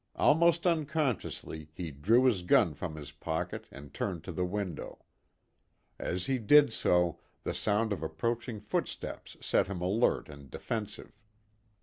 Almost unconsciously he drew his gun from his pocket and turned to the window. As he did so the sound of approaching footsteps set him alert and defensive.